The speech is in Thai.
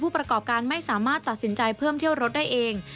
ประกอบการไม่สามารถตัดสินใจเพิ่มเที่ยวรถได้เอง